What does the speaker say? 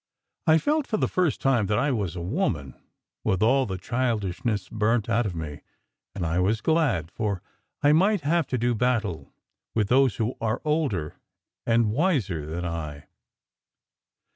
I felt for the first time that I was a woman, with all the childishness burnt out of me; and I was glad, for I might have to do battle with those who were older and wiser than I.